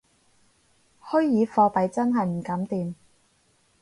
虛擬貨幣真係唔敢掂